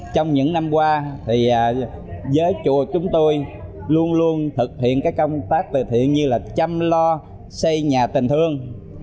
trong những năm qua thì giới chùa chúng tôi luôn luôn thực hiện các công tác từ thiện như là chăm lo xây nhà tình thương